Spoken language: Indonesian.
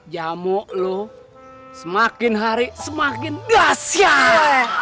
jamu lu semakin hari semakin dahsyat